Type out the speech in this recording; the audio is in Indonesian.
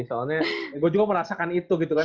soalnya gue juga merasakan itu gitu kan